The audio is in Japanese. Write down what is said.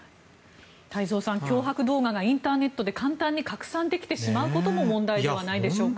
太蔵さん、脅迫動画がインターネットで簡単に拡散できてしまうことも問題ではないでしょうか。